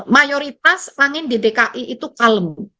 mayoritas angin di dki itu kalem